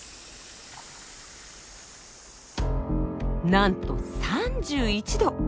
なんと３１℃！